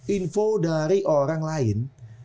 info dari orang lain